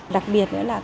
đặc biệt nữa là có cái